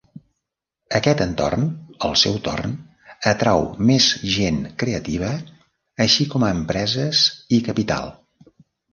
Aquest entorn, al seu torn, atrau més gent creativa, així com a empreses i capital.